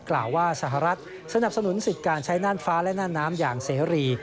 กล่าวว่าสหรัฐสนับสนุนสิทธิ์การใช้น่านฟ้าและน่านน้ำอย่างเสรี